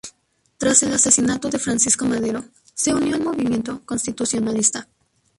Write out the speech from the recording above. Tras el asesinato de Francisco Madero, se unió al movimiento constitucionalista.